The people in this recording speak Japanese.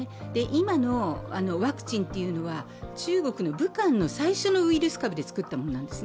今のワクチンは中国・武漢の最初のウイルスで作ったものです。